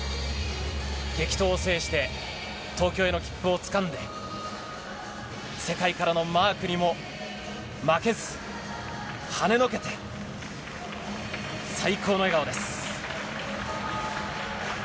激闘を制して、東京への切符をつかんで、世界からのマークにも負けず、はねのけて、最高の笑顔です。